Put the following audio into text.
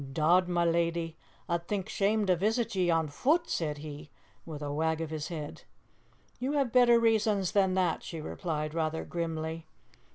"Dod, ma leddy, a'd think shame to visit ye on fut," said he, with a wag of his head. "You have better reasons than that," she replied rather grimly.